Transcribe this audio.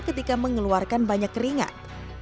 ketika mengeluarkan banyak keringat